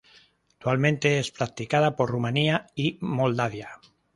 Actualmente es practicada por Rumanía y Moldavia.